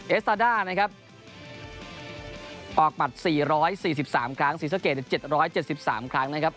เอสตาด้านะครับออกหมัด๔๔๓ครั้งศรีสะเกด๗๗๓ครั้งนะครับ